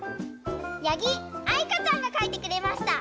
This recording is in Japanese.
やぎあいかちゃんがかいてくれました。